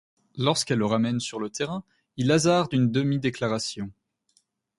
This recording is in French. Lorsqu’elle le ramène sur le terrain, il hasarde une demi-déclaration.